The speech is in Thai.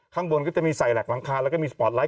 ข้างบนก็จะมีใส่หลักหลังคาแล้วก็มีสปอร์ตไลท